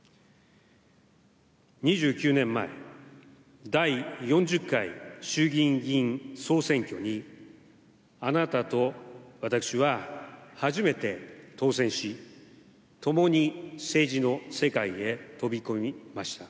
２９年前、第４０回衆議院議員総選挙にあなたと私は初めて当選し、ともに政治の世界へ飛び込みました。